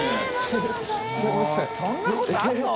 發そんなことあるの？